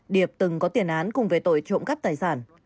điệp từng có tiền án cùng về tội trộm cắp tài sản